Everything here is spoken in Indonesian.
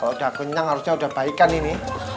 kalau sudah kenyang harusnya sudah baikkan ini